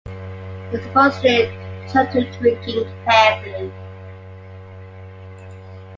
He supposedly took to drinking heavily.